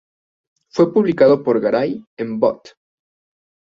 Fue publicado por Garay en "Bot.